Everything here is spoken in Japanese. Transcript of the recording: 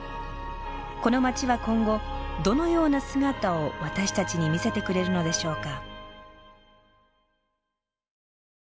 この街は今後どのような姿を私たちに見せてくれるのでしょうか？